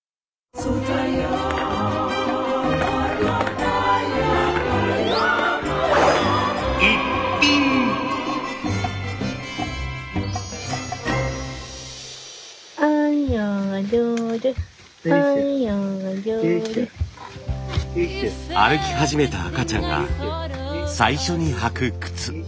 歩き始めた赤ちゃんが最初に履く靴。